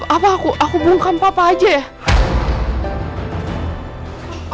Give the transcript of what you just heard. apa aku bungkam papa aja ya